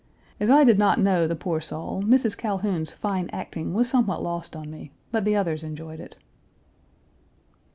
As I did not know the poor soul, Mrs. Calhoun's fine acting was somewhat lost on me, but the others enjoyed it.